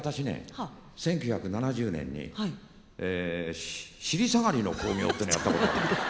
１９７０年に尻下がりの興行っていうのやったことあるんです。